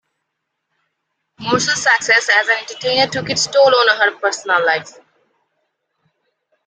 Morse's success as an entertainer took its toll on her personal life.